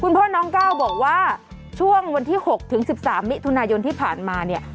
พ่อน้องก้าวบอกว่าช่วงวันที่๖ถึง๑๓มิถุนายนที่ผ่านมาเนี่ย